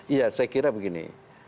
iya saya kira begini